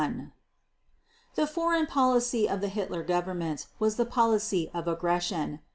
The foreign policy of the Hitler Government was the policy of aggression.